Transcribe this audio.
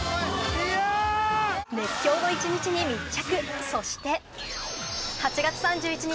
熱狂の一日に密着。